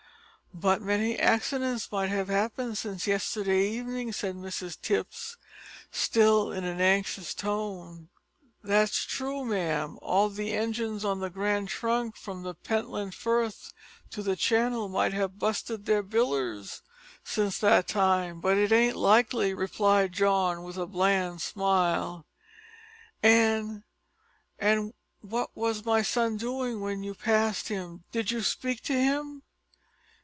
"But many accidents might have happened since yesterday evening," said Mrs Tipps, still in an anxious tone. "That's true, ma'am. All the engines on the Grand Trunk from the Pentland Firth to the Channel might have bu'sted their bilers since that time but it ain't likely," replied John, with a bland smile. "And and what was my son doing when you passed him? Did you speak to him?"